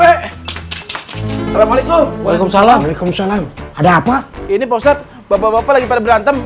waalaikumsalam waalaikumsalam ada apa ini poset bapak bapak lagi pada berantem